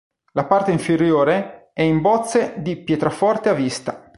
La parte inferiore è in bozze di pietraforte a vista.